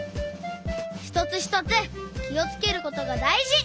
ひとつひとつきをつけることがだいじ！